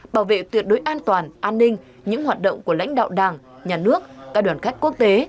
bảo vệ tuyệt đối an toàn an ninh những hoạt động của lãnh đạo đảng nhà nước các đoàn khách quốc tế